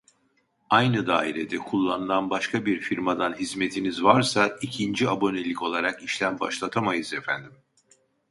Aynı dairede kullanılan başka bir firmadan hizmetiniz varsa ikinci abonelik olarak işlem başlatamayız efendim